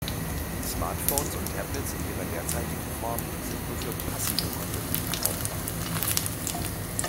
Smartphones und Tablets in ihrer derzeitigen Form sind nur für passive Konsumenten brauchbar.